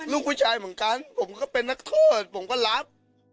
ลูกผู้ชายเหมือนกันผมก็เป็นนักโทษผมก็รับ